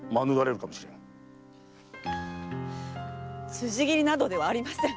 辻斬りなどではありません！